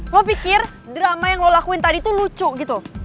gue pikir drama yang lo lakuin tadi tuh lucu gitu